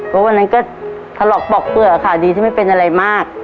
แล้ววันนั้นก็ถลอกปลอกเผื่อค่ะดีที่ไม่เป็นอะไรมาก